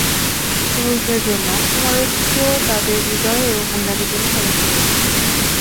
পুরুষদের জন্য কুমারীত্ব তাদের হৃদয়ে এবং মহিলাদের জন্য তাদের শরীরে।